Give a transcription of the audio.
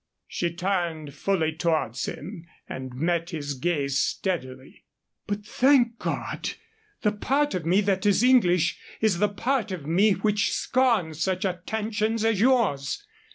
She turned fully towards him and met his gaze steadily. "But, thank God! the part of me that is English is the part of me which scorns such attentions as yours.